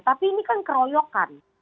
tapi ini kan keroyokan